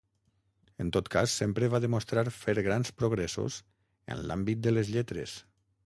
En tot cas, sempre va demostrar fer grans progressos en l'àmbit de les lletres.